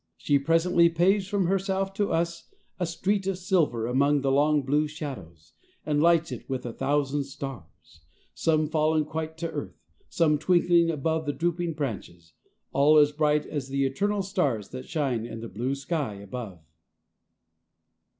She presently paves from herself to us a street of silver among the long blue shadows, and lights it with a thousand stars; some fallen quite to earth, some twinkling among the drooping branches, all as bright as the eternal stars that shine in the blue sky above.